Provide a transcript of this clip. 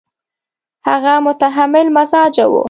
هغه متحمل مزاجه وو.